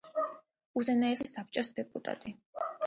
უზენაესი საბჭოს დეპუტატი.